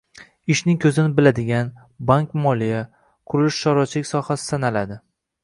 Ishning koʻzini biladigan, bank-moliya, qurilish-chorvachilik sohasi sanaladi.